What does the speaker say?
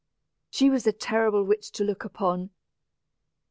she was a terrible witch to look upon.